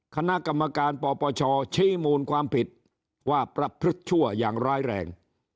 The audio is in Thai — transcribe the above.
คณะกรรมการปปชชี้มูลความผิดว่าประพฤติชั่วอย่างร้ายแรง